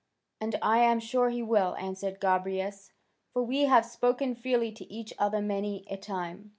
"And I am sure he will," answered Gobryas, "for we have spoken freely to each other many a time, he and I."